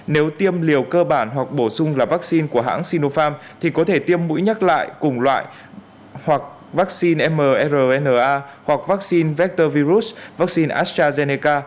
nếu tiêm liều cơ bản hoặc bổ sung là vaccine của hãng sinopharm thì có thể tiêm mũi nhắc lại cùng loại hoặc vaccine mrna hoặc vaccine vector virus vaccine astrazeneca